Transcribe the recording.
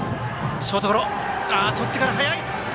ショートゴロ、とってから速い！